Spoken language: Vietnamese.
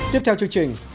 tiếp theo chương trình